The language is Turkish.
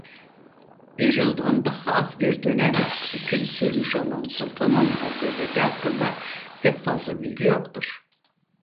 Bir yıldan daha az bir dönem hüküm sürmüş olan sultanın akıbeti hakkında pek fazla bilgi yoktur.